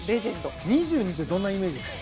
２２ってどんなイメージですか？